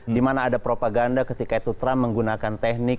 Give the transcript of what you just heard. dimana ada propaganda ketika itu trump menggunakan teknik